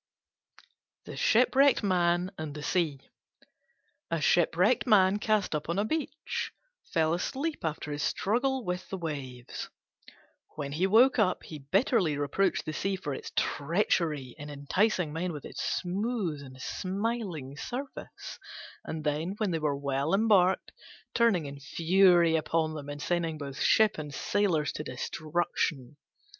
THE SHIPWRECKED MAN AND THE SEA A Shipwrecked Man cast up on the beach fell asleep after his struggle with the waves. When he woke up, he bitterly reproached the Sea for its treachery in enticing men with its smooth and smiling surface, and then, when they were well embarked, turning in fury upon them and sending both ship and sailors to destruction.